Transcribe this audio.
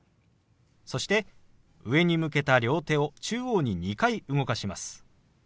そして上に向けた両手を中央に２回動かします。